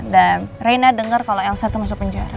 dan rena denger kalau elsa tuh masuk penjara